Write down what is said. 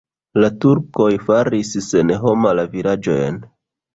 La turkoj faris senhoma la vilaĝojn.